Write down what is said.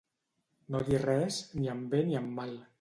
No dir res, ni en bé ni en mal.